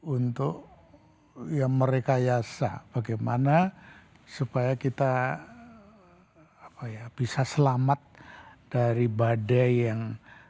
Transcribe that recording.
untuk ya merekayasa bagaimana supaya kita bisa selamat dari badai yang